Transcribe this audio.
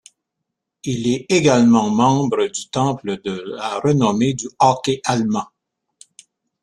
Il est également membre du temple de la renommée du hockey allemand.